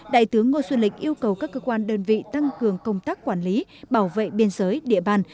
đại tướng ngô xuân lịch yêu cầu các cơ quan đơn vị tăng cường công tác quản lý bảo vệ biên giới địa bàn